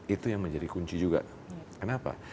itu yang menjadi kunci juga kenapa